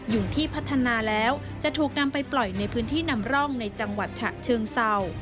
อยู่ที่พัฒนาแล้วจะถูกนำไปปล่อยในพื้นที่นำร่องในจังหวัดฉะเชิงเศร้า